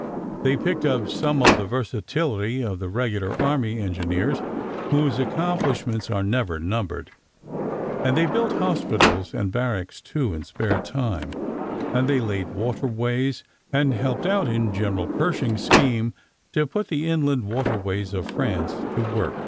They picked up some of the versatility of the Regular Army engineers, whose accomplishments are never numbered, and they built hospitals and barracks, too, in spare time, and they laid waterways, and helped out in General Pershing's scheme to put the inland waterways of France to work.